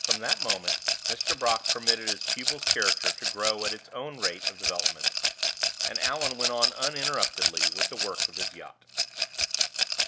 From that moment Mr. Brock permitted his pupil's character to grow at its own rate of development, and Allan went on uninterruptedly with the work of his yacht.